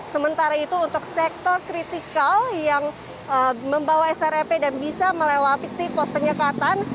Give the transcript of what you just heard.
sementara itu untuk sektor kritikal yang membawa strp dan bisa melewati tipos penyekatan